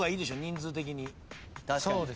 確かに。